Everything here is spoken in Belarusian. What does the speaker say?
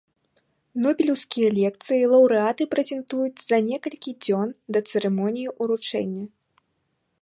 Нобелеўскія лекцыі лаўрэаты прэзентуюць за некалькі дзён да цырымоніі ўручэння.